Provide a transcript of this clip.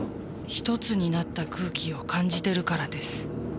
一つになった空気を感じてるからです